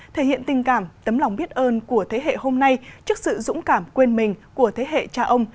thể hiện tình cảm tấm lòng biết ơn của thế hệ hôm nay trước sự dũng cảm quên mình của thế hệ cha ông